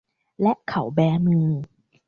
และเขาแบมือ